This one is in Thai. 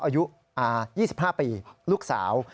อายุ๒๕ปีลูกสาว